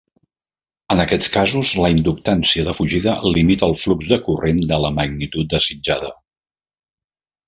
En aquests casos, la inductància de fugida limita el flux de corrent a la magnitud desitjada.